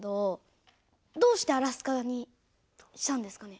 どうしてアラスカにしたんですかね？